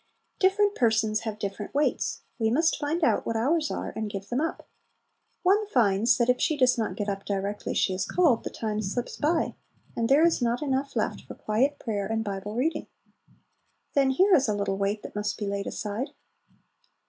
Different persons have different weights; we must find out what ours are, and give them up. One finds that if she does not get up directly she is called, the time slips by, and there is not enough left for quiet prayer and Bible reading. Then here is a little weight that must be laid aside.